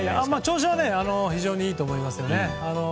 調子は非常にいいと思いますね。